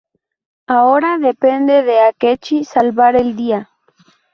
Ahora depende de Akechi salvar el día.